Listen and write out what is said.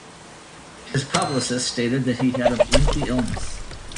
His publicist stated that he had a lengthy illness.